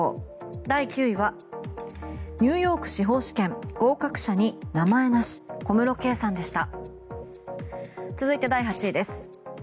第９位はニューヨーク司法試験合格者に名前なし小室圭さんでした。